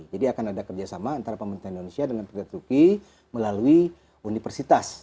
jadi akan ada kerjasama antara pemerintah indonesia dengan pemerintah turki melalui universitas